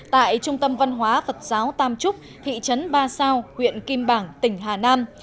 tại trung tâm văn hóa phật giáo tam trúc thị trấn ba sao huyện kim bảng tỉnh hà nam